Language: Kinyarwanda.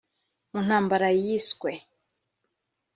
mu ntambara yiswe